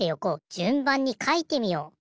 じゅんばんにかいてみよう。